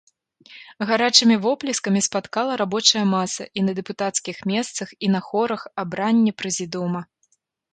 Гарачымі воплескамі спаткала рабочая маса, і на дэпутацкіх месцах і на хорах, абранне прэзідыума.